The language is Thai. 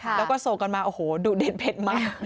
แล้วก็ส่งกันมาโอ้โหดุเด่นเผ็ดมาก